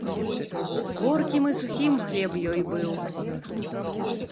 Горкім і сухім хлеб ёй быў.